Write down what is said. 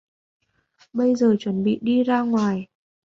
Bây giờ chuẩn bị đi ra ngoài